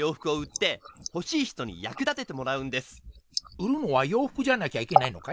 売るのはようふくじゃなきゃいけないのかい？